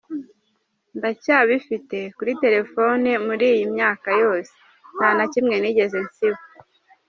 Ndacyabifite kuri telefoni muri iyi myaka yose, nta na kimwe nigeze nsiba.